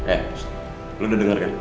eh lu udah dengar kan